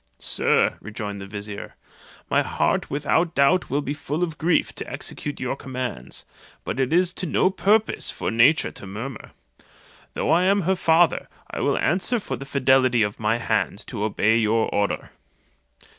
"Sir," rejoined the vizier "my heart without doubt will be full of grief to execute your commands; but it is to no purpose for nature to murmur. Though I am her father, I will answer for the fidelity of my hand to obey your order."